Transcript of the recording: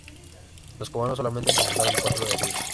Los cubanos solamente presentaron cuatro heridos.